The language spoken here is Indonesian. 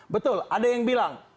betul ada yang bilang